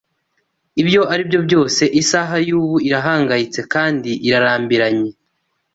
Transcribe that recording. Ibyo aribyo byose isaha y'ubu irahangayitse kandi irarambiranye